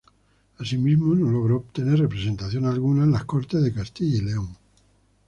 Asimismo no logró obtener representación alguna en las Cortes de Castilla y León.